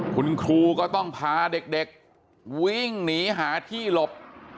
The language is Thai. คุณครูก็ต้องพาเด็กวิ่งหนีหาที่หลบ